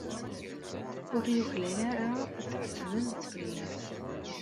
Ur yuklal ara ad tɛettbemt fell-as.